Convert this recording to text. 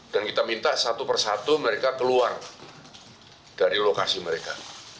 dan kita minta satu persatu mereka keluar dari lokasi mereka